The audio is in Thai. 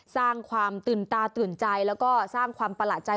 สร้างความตื่นตาตื่นใจแล้วก็สร้างความประหลาดใจ